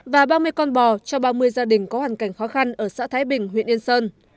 và ba mươi con bò cho ba mươi gia đình có hoàn cảnh khó khăn ở xã thái bình huyện yên sơn